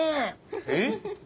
えっ？